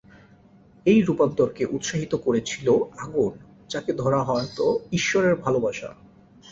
এই রূপান্তরকে উৎসাহিত করেছিল আগুন, যাকে ধরা হত ঈশ্বরের ভালবাসা।